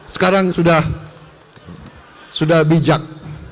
sekarang sudah bijak